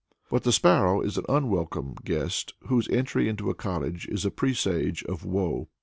But the sparrow is an unwelcome guest, whose entry into a cottage is a presage of woe.